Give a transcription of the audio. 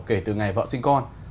kể từ ngày vợ sinh con